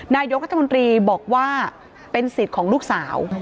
นายกรัฐมนตรีบอกว่าเป็นสิทธิ์ของลูกสาว